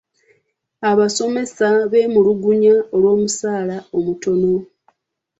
Abasomesa beemulugunya olw'omusaala omutono.